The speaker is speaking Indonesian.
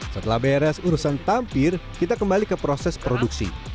setelah beres urusan tampir kita kembali ke proses produksi